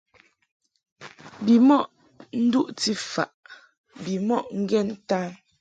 Bimɔʼ nduʼti faʼ bimɔʼ ŋgen ntan.